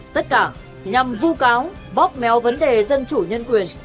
tất cả nhằm vô cáo bóp méo vấn đề dân chủ nhân quyền